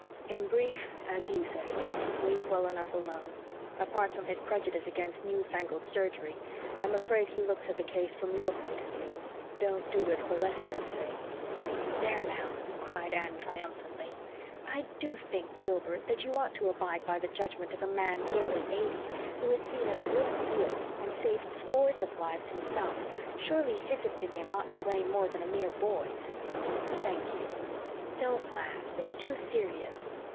"In brief as you say leave well enough alone. Apart from his prejudice against new fangled surgery, I'm afraid he looks at the case from your point of view don't do it, for Leslie's sake." "There now," cried Anne triumphantly. "I do think, Gilbert, that you ought to abide by the judgment of a man nearly eighty, who has seen a great deal and saved scores of lives himself surely his opinion ought to weigh more than a mere boy's." "Thank you." "Don't laugh. It's too serious."